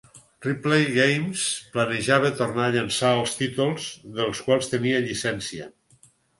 Replay Games planejava tornar a llençar els títols dels quals tenia llicència.